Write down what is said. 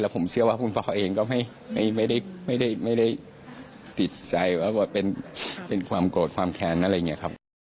ผมเชื่อว่าผู้เป็นพ่อเขาเองก็ไม่ได้ติดใจว่าเป็นความโกรธความแค้นอะไรอย่างนี้ครับ